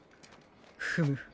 フム。